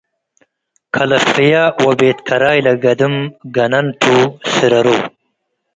ከለፍየ ወቤት ከራይ ለገድም ገነንቱ ስረሩ